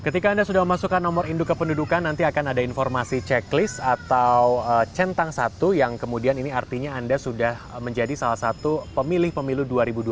ketika anda sudah memasukkan nomor induk kependudukan nanti akan ada informasi checklist atau centang satu yang kemudian ini artinya anda sudah menjadi salah satu pemilih pemilu dua ribu dua puluh